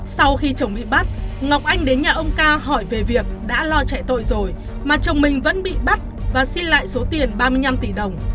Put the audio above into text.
sau khi chồng bị bắt ngọc anh đến nhà ông ca hỏi về việc đã lo chạy tội rồi mà chồng mình vẫn bị bắt và xin lại số tiền ba mươi năm tỷ đồng